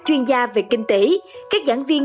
chuyên gia về kinh tế các giảng viên